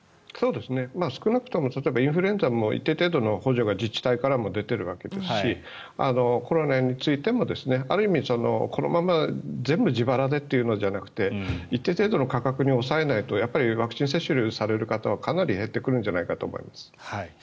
少なくともインフルエンザも一定程度の補助が自治体からも出ているわけですしコロナについてもある意味、このまま全部自腹でというのではなくて一定程度の価格に抑えないとワクチン接種される方はかなり減ってくるんじゃないかと思います。